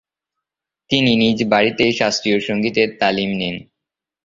তিনি নিজ বাড়িতেই শাস্ত্রীয় সঙ্গীতের তালিম নেন।